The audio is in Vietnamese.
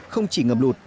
không chỉ ngập lụt